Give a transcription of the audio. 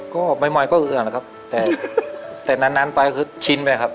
ก็ไม่มายก็อึดอัดแล้วครับแต่แต่นานนานไปคือชินไปครับ